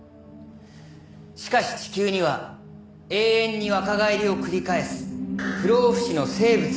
しかし地球には永遠に若返りを繰り返す不老不死の生物が存在します。